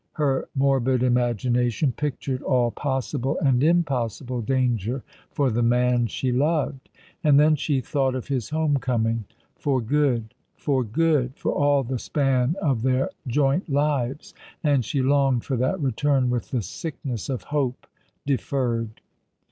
Her morbid imagination pictured all possible and impossible danger for the man she loved. And then she thought of his home coming — for good, for good — for all the Bpan of their joint lives ; and she longed for that return with the sickness of hope deferred.